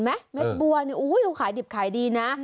แม่บัวเขาขายดิบขายดีนะ